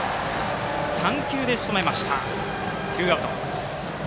３球でしとめました、ツーアウト。